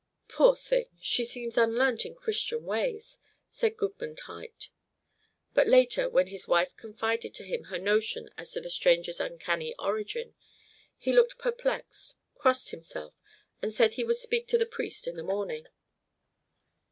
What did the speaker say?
"Poor thing! she seems unlearnt in Christian ways," said Goodman Huyt; but later, when his wife confided to him her notion as to the stranger's uncanny origin, he looked perplexed, crossed himself, and said he would speak to the priest in the morning.